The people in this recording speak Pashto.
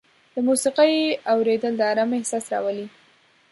د موسیقۍ اورېدل د ارامۍ احساس راولي.